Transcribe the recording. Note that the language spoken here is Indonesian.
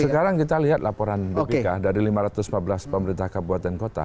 sekarang kita lihat laporan bpk dari lima ratus empat belas pemerintah kabupaten kota